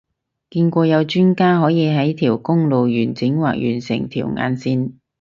見過有專家可以喺公路完整畫完成條眼線